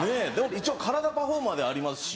一応カラダパフォーマーではありますし。